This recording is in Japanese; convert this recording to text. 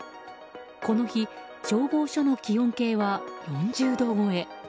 この日、消防署の気温計は４０度超え。